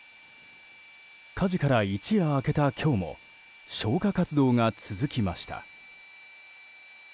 火事から一夜が明けた今日も消火活動が続きました。